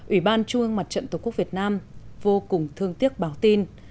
ủy ban trung ương mặt trận tổ quốc việt nam vô cùng thương tiếc báo tin